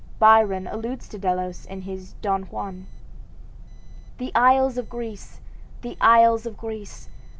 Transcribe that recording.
Byron alludes to Delos in his "Don Juan": "The isles of Greece! the isles of Greece!